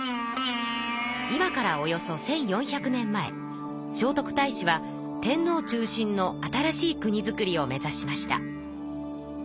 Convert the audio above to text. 今からおよそ１，４００年前聖徳太子は天皇中心の新しい国づくりを目指しました。